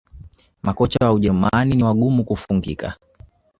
Makocha wa Ujerumani ni wagumu kufungika